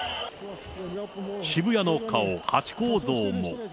渋谷の顔、ハチ公像も。